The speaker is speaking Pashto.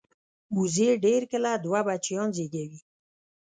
وزې ډېر کله دوه بچیان زېږوي